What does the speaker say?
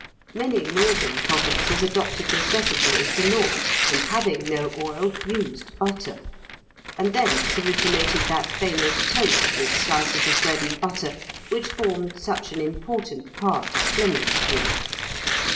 Many northern provinces adopted necessity as the law, and, having no oil, used butter; and thence originated that famous toast with slices of bread and butter, which formed such an important part of Flemish food.